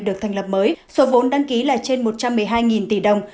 được thành lập mới số vốn đăng ký là trên một trăm một mươi hai tỷ đồng